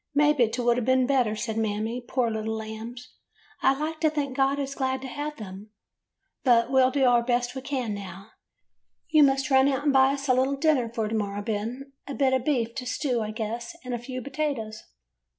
" 'Maybe 't would a' been better,' said Mammy. 'Poor little lambs! I like to think God is glad to have them. But we 'll do the best we can, now. Y ou must run out and buy us a little dinner for to morrow, Ben. A bit of beef to stew, I guess, and a few potatoes.